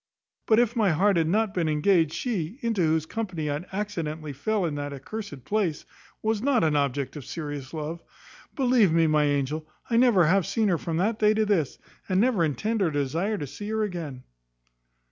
But if my heart had not been engaged, she, into whose company I accidently fell at that cursed place, was not an object of serious love. Believe me, my angel, I never have seen her from that day to this; and never intend or desire to see her again."